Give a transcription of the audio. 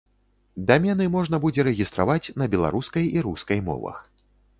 Дамены можна будзе рэгістраваць на беларускай і рускай мовах.